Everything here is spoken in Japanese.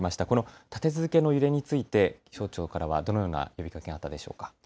この立て続けの揺れについて気象庁からはどのような呼びかけがあったでしょうか。